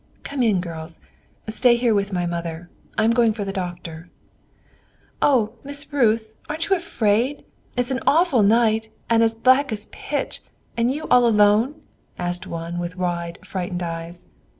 "Come in, girls. Stay here with my mother; I am going for the doctor." "Oh, Miss Ruth, ain't you afraid? It's a awful night, and black as pitch, and you all alone?" asked one, with wide, frightened eyes.